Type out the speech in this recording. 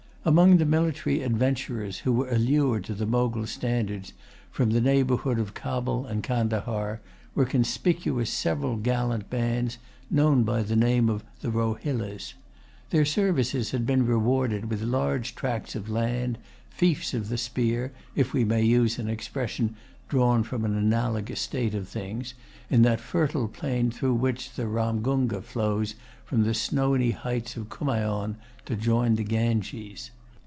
Among the military adventurers who were allured to the Mogul standards from the neighborhood of Cabul and Candahar were conspicuous several gallant bands, known by the name of the Rohillas. Their services had been rewarded with large tracts of land, fiefs of the spear, if we may use an expression drawn from an[Pg 139] analogous state of things, in that fertile plain through which the Ramgunga flows from the snowy heights of Kumaon to join the Ganges.